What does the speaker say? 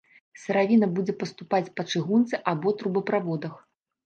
Сыравіна будзе паступаць па чыгунцы або трубаправодах.